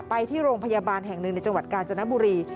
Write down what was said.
ไปที่โรงพยาบาลแห่งหนึ่งในจังหวัดกาญจนบุรี